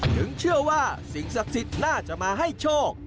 ถึงเชื่อว่าสิ่งศักดิ์สิทธิ์น่าจะมาให้โชค